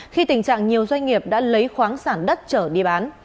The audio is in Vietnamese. khi tình trạng nhiều doanh nghiệp đã lấy khoáng sản đất trở đi bán